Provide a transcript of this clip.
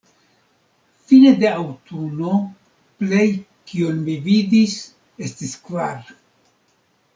Fine de aŭtuno plej kion mi vidis estis kvar.